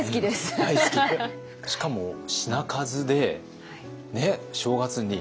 しかも品数で正月に。